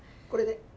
これで。